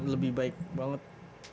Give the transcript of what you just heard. lebih baik banget